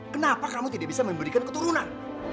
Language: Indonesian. kenapa kamu tidak bisa memberikan keturunan